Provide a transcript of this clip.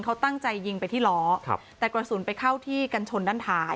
เขาตั้งใจยิงไปที่ล้อครับแต่กระสุนไปเข้าที่กันชนด้านท้าย